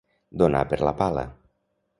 Donar per la pala.